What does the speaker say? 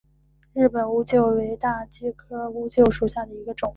白木乌桕为大戟科乌桕属下的一个种。